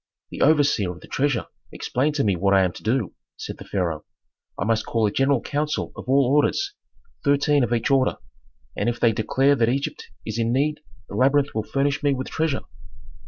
"The overseer of the treasure explained to me what I am to do," said the pharaoh. "I must call a general council of all orders, thirteen of each order. And if they declare that Egypt is in need the labyrinth will furnish me with treasure."